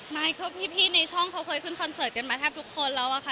มายโคร้พี่ในช่องเค้าเคยขึ้นคอนเซิตกันมาแทบทุกคนแล้วค่ะ